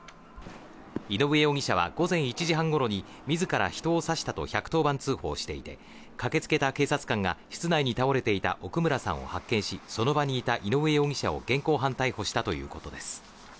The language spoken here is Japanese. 井上容疑者は午前１時半ごろに自ら人を刺したと１１０番通報していて、駆けつけた警察官が室内に倒れていた奥村さんを発見し、その場にいた井上容疑者を現行犯逮捕したということです。